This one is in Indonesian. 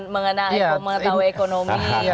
mengenai mengetahui ekonomi